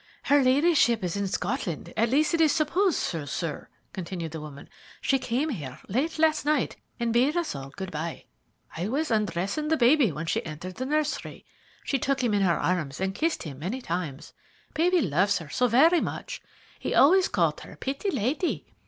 "Her ladyship is in Scotland; at least, it is supposed so, sir," continued the woman. "She came here late last night, and bade us all good bye. I was undressing baby when she entered the nursery. She took him in her arms and kissed him many times. Baby loves her very much. He always called her 'Pitty lady.'